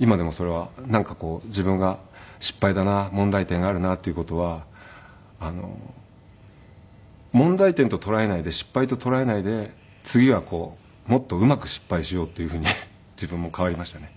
今でもそれはなんかこう自分が失敗だな問題点があるなっていう事は問題点と捉えないで失敗と捉えないで次はもっとうまく失敗しようっていうふうに自分も変わりましたね。